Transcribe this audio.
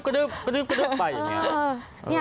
กระดึ๊บไปอย่างนี้